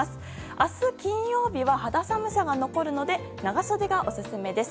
明日、金曜日は肌寒さが残るので長袖がオススメです。